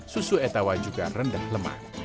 susu e tawa juga rendah lemak